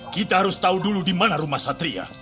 kita harus tahu dulu di mana rumah satria